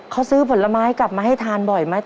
เขาซื้อผลไม้กลับมาให้ทานบ่อยไหม